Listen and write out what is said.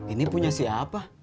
ini punya siapa